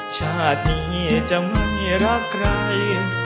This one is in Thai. ชาตินี้จะไม่รักใคร